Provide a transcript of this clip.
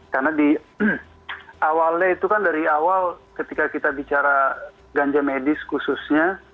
karena awalnya itu kan dari awal ketika kita bicara ganja medis khususnya